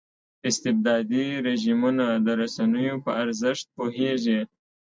استبدادي رژیمونه د رسنیو په ارزښت پوهېږي.